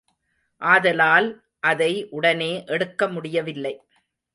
ஆதலால் அதை உடனே எடுக்க முடியவில்லை.